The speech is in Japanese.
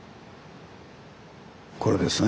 これですね。